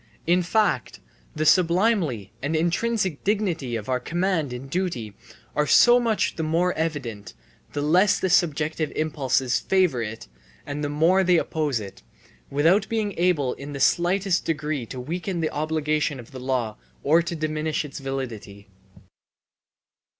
In fact, the sublimity and intrinsic dignity of the command in duty are so much the more evident, the less the subjective impulses favour it and the more they oppose it, without being able in the slightest degree to weaken the obligation of the law or to diminish its validity.